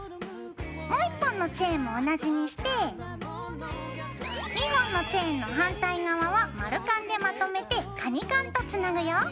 もう１本のチェーンも同じにして２本のチェーンの反対側は丸カンでまとめてカニカンとつなぐよ。